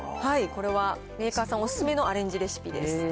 これはメーカーさんお勧めのアレンジレシピです。